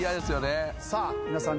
さあ皆さん。